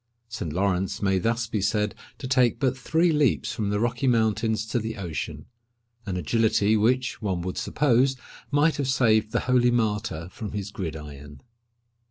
Saint Lawrence may thus be said to take but three leaps from the Rocky Mountains to the ocean—an agility which, one would suppose, might have saved the holy martyr from his gridiron.